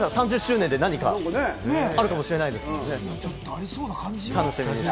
もしかしたら３０周年で何かあるかもしれないですね。